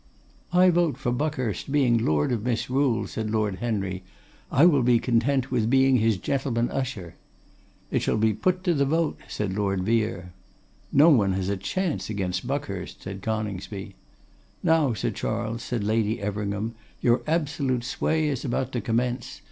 'I vote for Buckhurst being Lord of Misrule,' said Lord Henry: 'I will be content with being his gentleman usher.' 'It shall be put to the vote,' said Lord Vere. 'No one has a chance against Buckhurst,' said Coningsby. 'Now, Sir Charles,' said Lady Everingham, 'your absolute sway is about to commence.